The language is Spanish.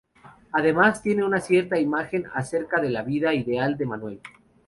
Además, tiene una cierta imagen acerca de la vida ideal de Manuel.